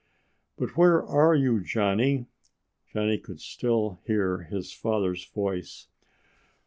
"But where are you, Johnny?" Johnny could still hear his father's voice.